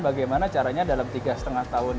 bagaimana caranya dalam tiga lima tahun